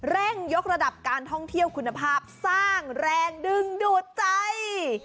เร่งยกระดับการท่องเที่ยวคุณภาพสร้างแรงดึงดูดใจ